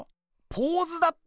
ポーズだっぺよ！